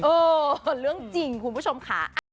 เออเรื่องจริงคุณผู้ชมค่ะ